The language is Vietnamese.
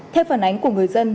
theo phản ánh của người dân